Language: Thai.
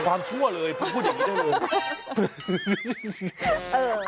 ความชั่วเลยพูดอย่างนี้ได้เลย